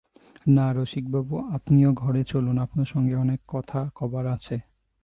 না রসিকবাবু, আপনি ও ঘরে চলুন, আপনার সঙ্গে অনেক কথা কবার আছে।